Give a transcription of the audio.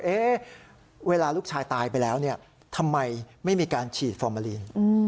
เวลาลูกชายตายไปแล้วเนี่ยทำไมไม่มีการฉีดฟอร์มาลีน